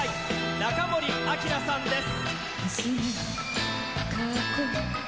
中森明菜さんです。